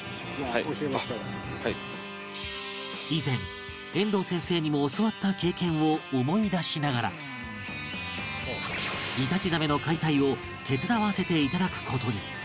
以前遠藤先生にも教わった経験を思い出しながらイタチザメの解体を手伝わせていただく事に